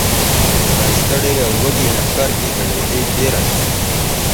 په ستړي او وږي لښکر کې ګډوډي ډېره شوه.